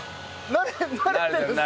慣れてるんですか？